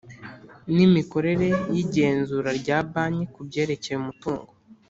N’ imikorere y’ igenzura rya banki ku ibyerekeye umutungo